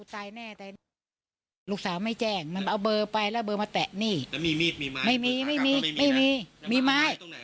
หลากไปหลากไปแต่ไม่มีมีดไม่มีไม่มี